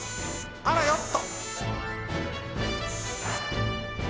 あらよっと！